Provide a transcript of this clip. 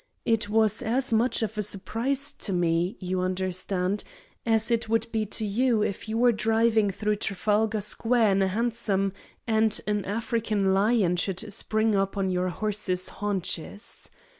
It was as much of a surprise to me, you understand, as it would be to you if you were driving through Trafalgar Square in a hansom, and an African lion should spring up on your horses' haunches.